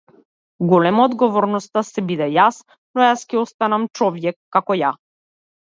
Голема е одговорноста да се биде јас, но јас ќе останам човјек као ја.